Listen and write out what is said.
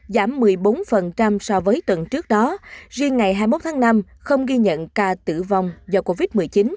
giảm một mươi bốn so với tuần trước đó riêng ngày hai mươi một tháng năm không ghi nhận ca tử vong do covid một mươi chín